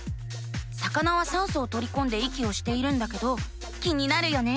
魚は酸素をとりこんで息をしているんだけど気になるよね。